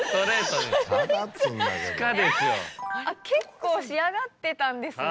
結構仕上がってたんですね。